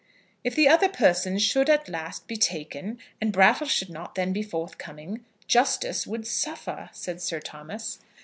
"If the other persons should at last be taken, and Brattle should not then be forthcoming, justice would suffer," said Sir Thomas.